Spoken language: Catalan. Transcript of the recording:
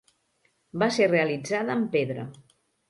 Va ser realitzada amb pedra.